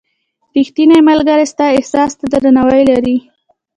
• ریښتینی ملګری ستا احساس ته درناوی لري.